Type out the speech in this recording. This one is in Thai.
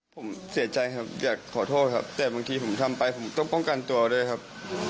ผมเสียใจครับอยากขอโทษครับแต่บางทีผมทำไปผมต้องป้องกันตัวด้วยครับ